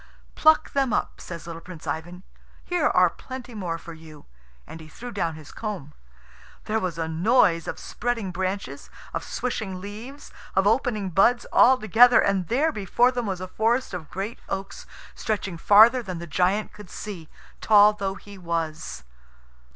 "Pluck them up," says little Prince Ivan. "Here are plenty more for you." And he threw down his comb. There was a noise of spreading branches, of swishing leaves, of opening buds, all together, and there before them was a forest of great oaks stretching farther than the giant could see, tall though he was.